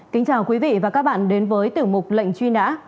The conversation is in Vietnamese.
kính chào quý vị và các bạn đến với tiểu mục lệnh truy nã